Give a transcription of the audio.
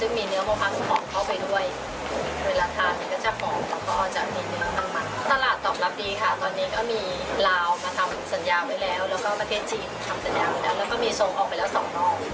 แล้วก็มีส่งออกไปแล้ว๒รอบมะเทศจีน